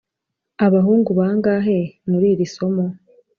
abahungu bangahe muri iri somo?